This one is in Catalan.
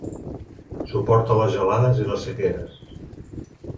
Suporta les gelades i les sequeres.